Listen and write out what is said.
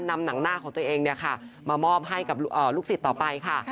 นำหนังหน้าของตัวเองมามอบให้กับลูกศิษย์ต่อไปค่ะ